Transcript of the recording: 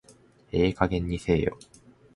ええ加減にせえよ